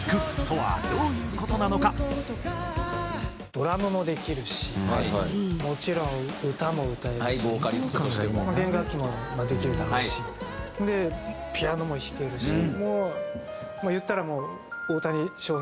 ドラムもできるしもちろん歌も歌えるし弦楽器もできるだろうしピアノも弾けるしいったらもう。